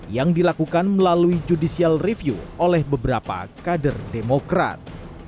yang dilakukan melalui judicial review oleh beberapa kader demokrat